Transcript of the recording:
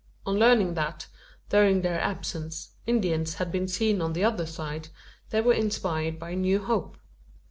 On learning that, during their absence, Indians had been seen on the other side, they were inspired by a new hope.